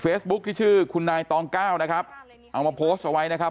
ที่ชื่อคุณนายตองก้าวนะครับเอามาโพสต์เอาไว้นะครับ